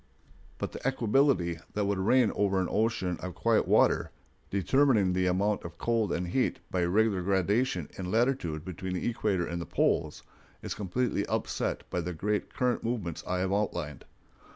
But the equability that would reign over an ocean of quiet water, determining the amount of cold and heat by regular gradation in latitude between the equator and the poles, is completely upset by the great current movements I have outlined.